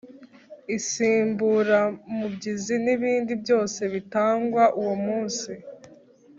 Insimburamubyizi n ibindi byose bitangwa uwomunsi.